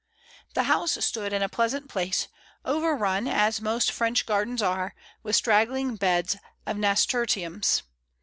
The house stood in a pleasant place, overrun, as most French gardens are, with straggling beds of nasturtiums.